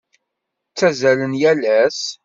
Ttazzalent yal ass?